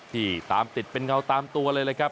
ที่ตามติดเป็นเงาตามตัวเลยนะครับ